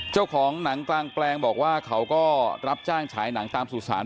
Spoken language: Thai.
เจ้าของหนังกลางแปลงบอกว่าเขาก็รับจ้างฉายหนังตามสุสาน